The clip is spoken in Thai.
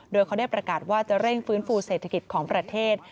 โดยเขาได้ประกาศว่าจะเร่งฟื้นฟูเศรษฐกิจของประเทศ